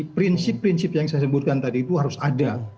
prinsip prinsip yang saya sebutkan tadi itu harus ada